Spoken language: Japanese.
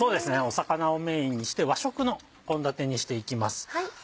魚をメインにして和食の献立にしていきます。